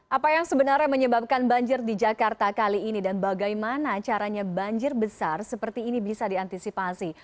apa yang sebenarnya menyebabkan banjir di jakarta kali ini dan bagaimana caranya banjir besar seperti ini bisa diantisipasi